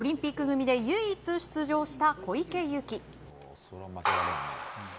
オリンピック組で唯一出場した小池祐貴。